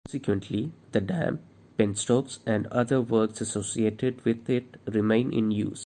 Consequently, the dam, penstocks and other works associated with it remain in use.